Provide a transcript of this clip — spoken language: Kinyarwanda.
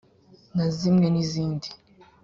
na zimwe n izindi